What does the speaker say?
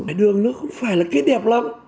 hải đường nó không phải là cây đẹp lắm